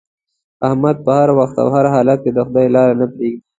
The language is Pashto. احمد په هر وخت او هر حالت کې د خدای لاره نه پرېږدي.